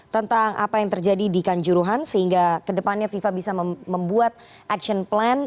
tentang apa yang terjadi di kanjuruhan sehingga kedepannya fifa bisa membuat action plan